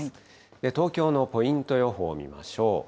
東京のポイント予報見ましょう。